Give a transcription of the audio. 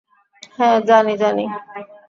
হ্যাঁ, জানি, জানি।